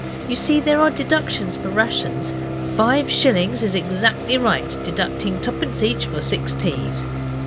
You see there are deductions for rations. Five shillings is exactly right, deducting twopence each for six teas.